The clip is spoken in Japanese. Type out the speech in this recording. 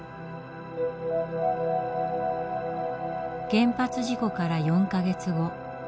原発事故から４か月後。